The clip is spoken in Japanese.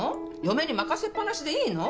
嫁に任せっ放しでいいの？